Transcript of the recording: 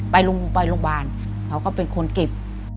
ไปโรงพยาบาลเขาก็เป็นคนเก็บ